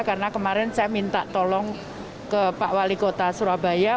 karena kemarin saya minta tolong ke pak wali kota surabaya